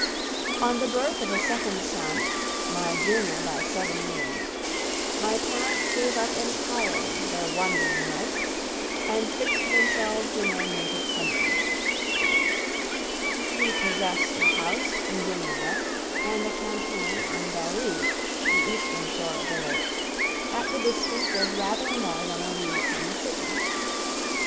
On the birth of a second son, my junior by seven years, my parents gave up entirely their wandering life and fixed themselves in their native country. We possessed a house in Geneva, and a campagne on Belrive, the eastern shore of the lake, at the distance of rather more than a league from the city.